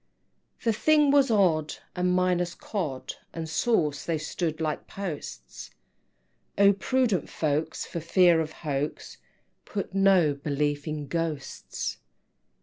XVII. The thing was odd, and minus Cod And sauce, they stood like posts; Oh, prudent folks, for fear of hoax, Put no belief in Ghosts!